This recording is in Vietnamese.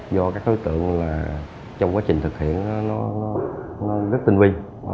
do các đối tượng trong quá trình thực hiện nó rất tinh vi